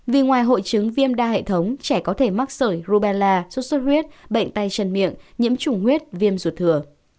vì ngoài hội chứng viêm đa hệ thống trẻ có thể mắc sởi rubella sốt xuất huyết bệnh tay chân miệng nhiễm trùng huyết viêm ruột thừa